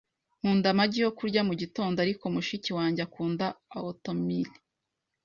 Nkunda amagi yo kurya mugitondo, ariko mushiki wanjye akunda oatmeal.